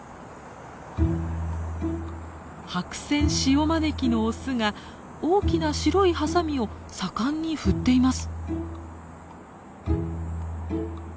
ハクセンシオマネキのオスが大きな白いハサミを盛んに振っています。